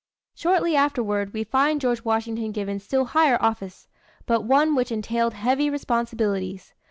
Shortly afterward, we find George Washington given still higher office, but one which entailed heavy responsibilities.